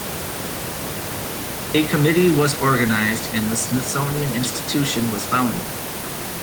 A committee was organised and the Smithsonian Institution was founded.